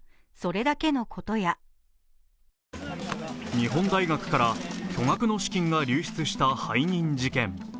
日本大学から巨額の資金が流出した背任事件。